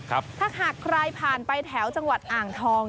ถ้าหากใครผ่านไปแถวจังหวัดอ่างทอง